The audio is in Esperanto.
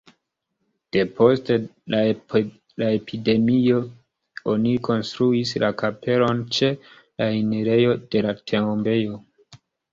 Depost la epidemio oni konstruis la kapelon ĉe la enirejo de la tombejo.